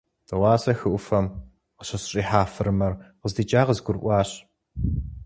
Дыгъуасэ хы Ӏуфэм къыщысщӀихьа фырымэр къыздикӀар къызгурыӀуащ.